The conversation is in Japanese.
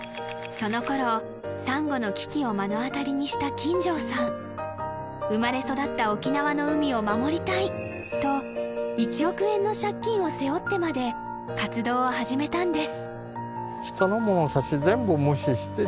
その頃サンゴの危機を目の当たりにした金城さん生まれ育った沖縄の海を守りたいと１億円の借金を背負ってまで活動を始めたんです